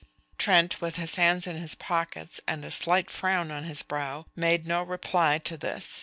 Trent, with his hands in his pockets and a slight frown on his brow, made no reply to this.